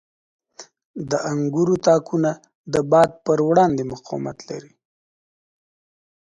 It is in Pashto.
• د انګورو تاکونه د باد په وړاندې مقاومت لري.